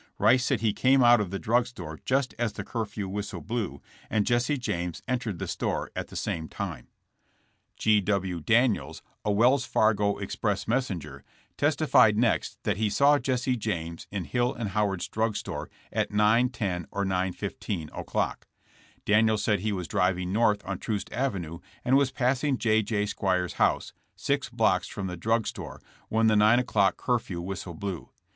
Rice said he came out of the drug store just as the curfew whistle blew, and Jesse James entered the store at the same time. THE TRIAL FOR TRAIN ROBBERY. 175 G. W. Daniels, a Wells Fargo express messen ger, testified next that he saw Jesse James in Hill & Howard's drug store at 9 :10 or 9 :15 o'clock. Daniels said he was driving north on Troost avenue and was passing J. J. Squires' house, six blocks from the drug store, when the 9 o'clock curfew whistle blew.